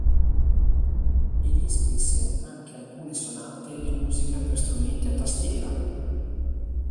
Egli scrisse anche alcune sonate e musica per strumenti a tastiera.